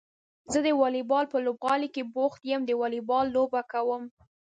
زه د واليبال په لوبغالي کې بوخت يم د واليبال لوبه کوم.